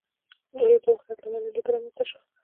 د لوی پرمختګ له امله لوږه رامنځته شوه.